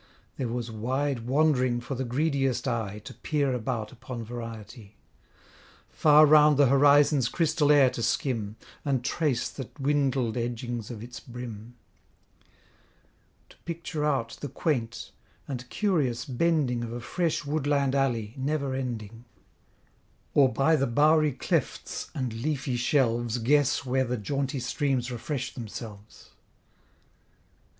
There was wide wand'ring for the greediest eye, To peer about upon variety; Far round the horizon's crystal air to skim, And trace the dwindled edgings of its brim; To picture out the quaint, and curious bending Of a fresh woodland alley, never ending; Or by the bowery clefts, and leafy shelves, Guess were the jaunty streams refresh themselves.